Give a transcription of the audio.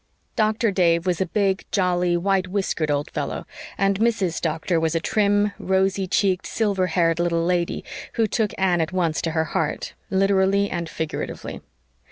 Doctor Dave was a big, jolly, white whiskered old fellow, and Mrs. Doctor was a trim rosy cheeked, silver haired little lady who took Anne at once to her heart, literally and figuratively.